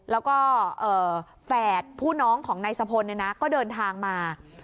แล้วก็แฝดผู้น้องของนายสะพลก็เดินทางมา